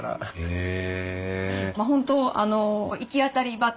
へえ！